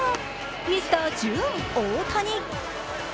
ミスター・ジューン大谷。